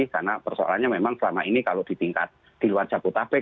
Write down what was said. karena persoalannya memang selama ini kalau di tingkat di luar jabodetabek